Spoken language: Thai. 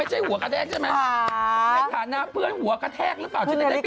หัวแท้กหรืออะไร